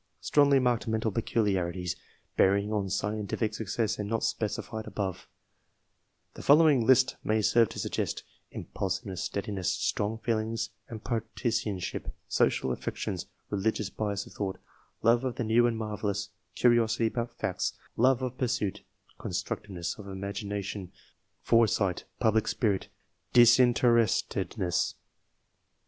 Strongly marked mental peculiarities, bearing on scientific success, and not specified above : the following list may serve to suggest — impulsiveness, steadiness, strong feelings and partisanship, social affections, religious bias of thought, love of the new and marvellous, curiosity about facts, love of pursuit, constructiveness of imagination, foresight, public spirit, disinterestedness.